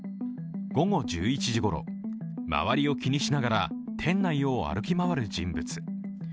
午後１１時ごろ、周りを気にしながら店内を歩き回る人物。